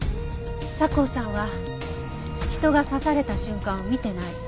佐向さんは人が刺された瞬間を見てない。